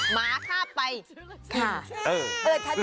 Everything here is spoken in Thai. หมาข้าไปข้า